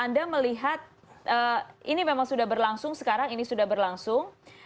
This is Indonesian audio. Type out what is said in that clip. anda melihat ini memang sudah berlangsung sekarang ini sudah berlangsung